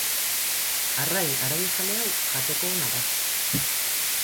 Arrain haragijale hau jateko ona da.